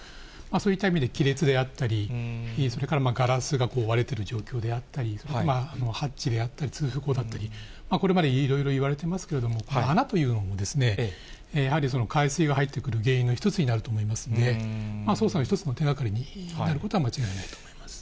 そういった意味で、亀裂であったり、それからガラスが割れてる状況であったり、それからハッチであったり通風孔だったり、これまでいろいろ言われてますけれども、穴というのは、やはり海水が入ってくる原因の一つになると思いますので、捜査の一つの手がかりになることは間違いないと思います。